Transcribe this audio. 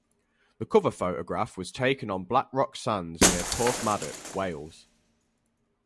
The cover photograph was taken on Black Rock Sands near Porthmadog, Wales.